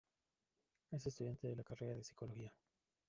Es estudiante de la carrera de Psicología.